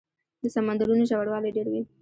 د سمندرونو ژوروالی ډېر وي.